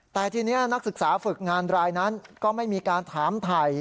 แต่ทีนี้นักศึกษาฝึกงานรายนั้นก็ไม่มีการถามถ่าย